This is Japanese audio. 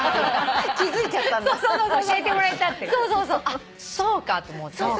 あっそうか！と思って。